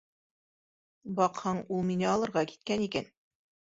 Баҡһаң, ул мине алырға киткән икән.